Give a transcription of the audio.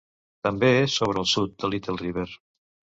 També és sobre el sud de Little River.